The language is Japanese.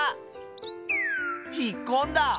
ひっこんだ！